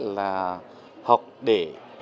là học để